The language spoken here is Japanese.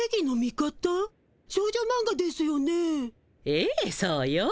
ええそうよ。